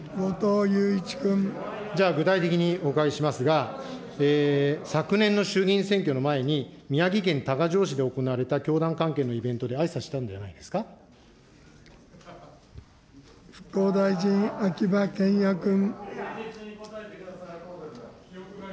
じゃあ、具体的にお伺いしますが、昨年の衆議院選挙の前に、宮城県多賀城市で行われた教団関係のイベントであいさつしたんじ復興大臣、秋葉賢也君。